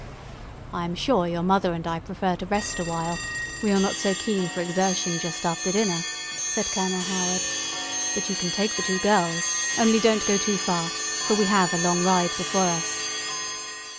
"I am sure your mother and I prefer to rest awhile; we are not so keen for exertion just after dinner," said Colonel Howard, "but you can take the two girls, only don't go too far, for we have a long ride before us."